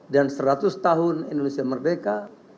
dan seratus tahun indonesia merdeka